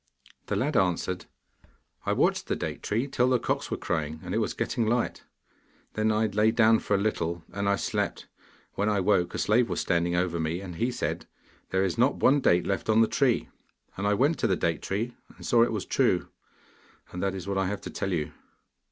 The lad answered: 'I watched the date tree till the cocks were crowing and it was getting light; then I lay down for a little, and I slept. When I woke a slave was standing over me, and he said, "There is not one date left on the tree!" And I went to the date tree, and saw it was true; and that is what I have to tell you.